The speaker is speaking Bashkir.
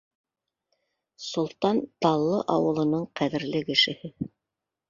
Солтан Таллы ауылының ҡәҙерле кешеһе.